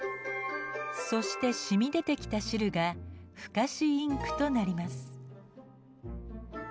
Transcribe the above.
そしてしみ出てきた汁が不可視インクとなります。